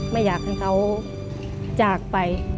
ไม่อยากให้เขาจากไป